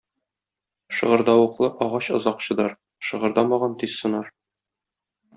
Шыгырдавыклы агач озак чыдар, шыгырдамаган тиз сынар.